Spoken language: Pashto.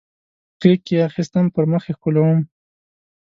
غیږ کې اخیستم پر مخ یې ښکلولم